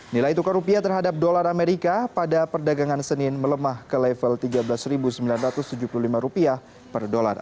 nilai tukar rupiah terhadap dolar amerika pada perdagangan senin melemah ke level rp tiga belas sembilan ratus tujuh puluh lima rupiah per dolar